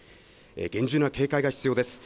厳重な警戒が必要です。